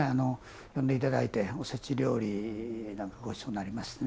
呼んで頂いておせち料理なんかごちそうになりましてね。